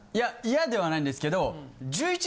嫌ではないんですけど。